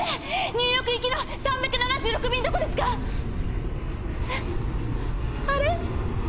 ニューヨーク行きの３７６便どこですか⁉えっあれ？